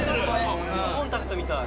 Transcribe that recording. コンタクトみたい。